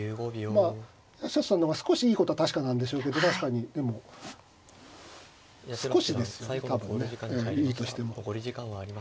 まあ八代さんの方が少しいいことは確かなんでしょうけど確かにでも少しですよね多分ねいいとしても。